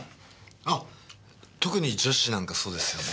あ特に女子なんかそうですよね。